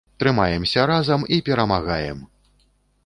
Трымаемся разам і перамагаем!